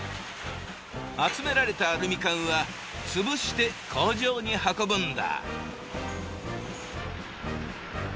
集められたアルミ缶は潰して工場に運ぶんだ。